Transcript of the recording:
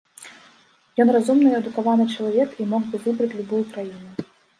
Ён разумны і адукаваны чалавек і мог бы выбраць любую краіну.